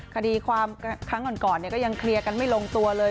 คดีความครั้งก่อนก็ยังเคลียร์กันไม่ลงตัวเลย